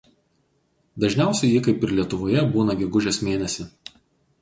Dažniausiai ji kaip ir Lietuvoje būna gegužės mėnesį.